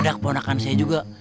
ada keponakan saya juga